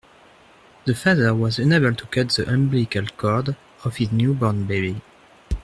The father was unable to cut the umbilical cord of his newborn baby.